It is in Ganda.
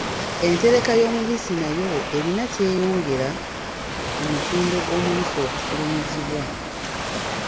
Entereka y'omubisi nayo erina ky'eyongera ku mutindo gw'omubisi ogufulumizibwa.